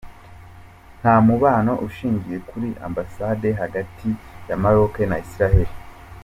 Nta mubano ushingiye kuri ambasade hagati ya Maroke na Israheli.